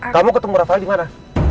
kamu ketemu rafael dimana